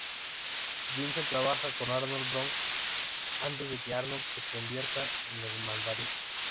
Yinsen trabaja con Arnold Brock antes de que Arnold se convierta en el mandarín.